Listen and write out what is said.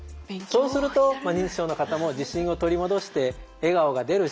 そうすると認知症の方も自信を取り戻して笑顔が出るし